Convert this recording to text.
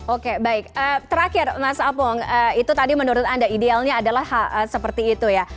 oke baik terakhir mas apung itu tadi menurut anda idealnya adalah seperti itu ya